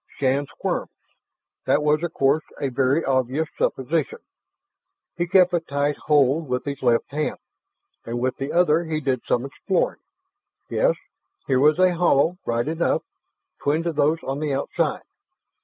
Shann squirmed. That was, of course, a very obvious supposition. He kept a tight hold with his left hand, and with the other, he did some exploring. Yes, here was a hollow right enough, twin to those on the outside.